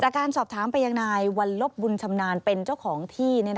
การสอบถามไปยังนายวัลลบบุญชำนาญเป็นเจ้าของที่